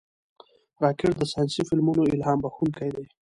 راکټ د ساینسي فلمونو الهام بښونکی دی